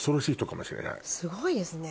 すごいですね。